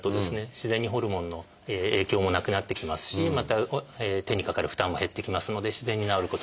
自然にホルモンの影響もなくなってきますしまた手にかかる負担も減ってきますので自然に治ることが。